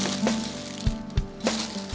bisa sih yuk